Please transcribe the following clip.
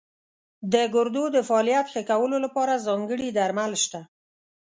د ګردو د فعالیت ښه کولو لپاره ځانګړي درمل شته.